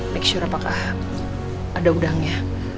make sure apakah ada udangnya